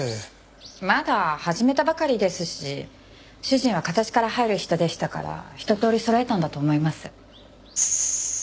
まだ始めたばかりですし主人は形から入る人でしたからひととおりそろえたんだと思います。